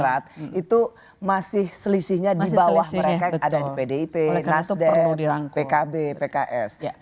oh ya dari segi itunya itu masih selisihnya di bawah mereka yang ada di pdip nasdem pkb pks sehingga perlu merangkul orang orang